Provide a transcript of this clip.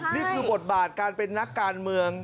นี่คือบทบาทการเป็นนักการเมือง